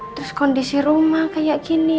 terus kondisi rumah kayak gini